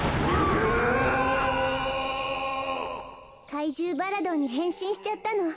かいじゅうバラドンにへんしんしちゃったの。